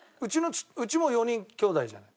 うちも４人きょうだいじゃん。